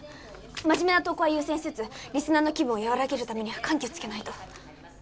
真面目な投稿は優先しつつリスナーの気分を和らげるためには緩急つけないと。